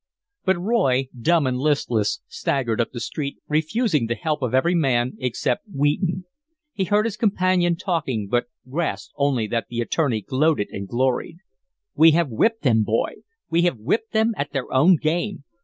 But Roy, dumb and listless, staggered up the street, refusing the help of every man except Wheaton. He heard his companion talking, but grasped only that the attorney gloated and gloried. "We have whipped them, boy. We have whipped them at their own game.